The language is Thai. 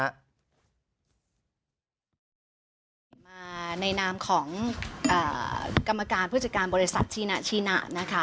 มาในนามของกรรมการผู้จัดการบริษัทชีนะชีนะนะคะ